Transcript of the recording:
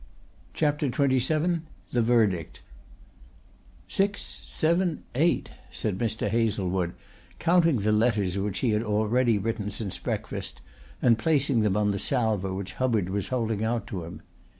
CHAPTER XXVII THE VERDICT "Six, seven, eight," said Mr. Hazlewood, counting the letters which he had already written since breakfast and placing them on the salver which Hubbard was holding out to him.